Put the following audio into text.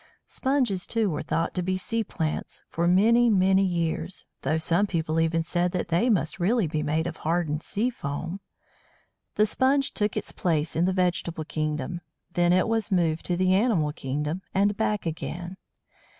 Sponges, too, were thought to be sea plants for many, many years; though some people even said that they must really be made of hardened sea foam! The Sponge took its place in the vegetable kingdom, then it was moved to the animal kingdom, and back again.